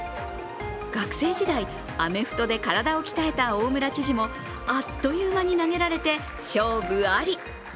学生時代アメフトで体を鍛えた大村知事もあっという間に投げられて勝負あり。